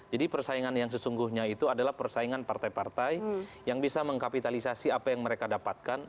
jadi persaingan yang sesungguhnya itu adalah persaingan partai partai yang bisa mengkapitalisasi apa yang mereka dapatkan